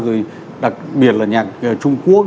rồi đặc biệt là nhạc trung quốc